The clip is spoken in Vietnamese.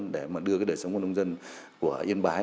để mà đưa cái đời sống của nông dân của yên bái